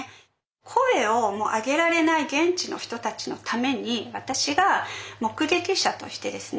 声をもう上げられない現地の人たちのために私が目撃者としてですね